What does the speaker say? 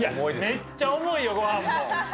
めっちゃ重いよ、ごはんも。